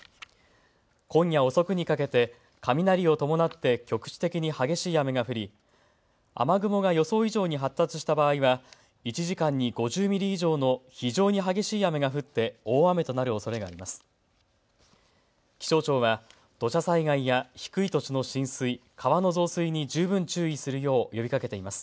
今夜遅くにかけて雷を伴って局地的に激しい雨が降り、雨雲が予想以上に発達した場合は１時間に５０ミリ以上の非常に激しい雨が降って大雨となるおそれがあります。